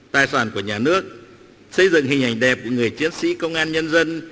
tài sản của nhà nước xây dựng hình ảnh đẹp của người chiến sĩ công an nhân dân